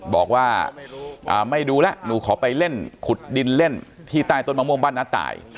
บอกว่าไม่ดูแล้วหนูขอไปเล่นขุดดินเล่นที่ใต้ต้นมะม่วงบ้านน้าตาย